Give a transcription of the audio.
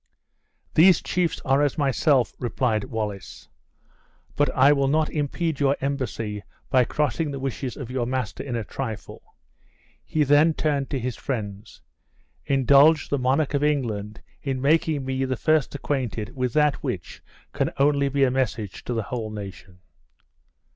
"These chiefs are as myself," replied Wallace; "but I will not impede your embassy by crossing the wishes of your master in a trifle." He then turned to his friends: "Indulge the monarch of England in making me the first acquainted with that which can only be a message to the whole nation."